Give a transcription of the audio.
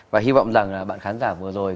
và hy vọng rằng bạn khán giả vừa rồi